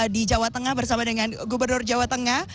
di jawa tengah bersama dengan gubernur jawa tengah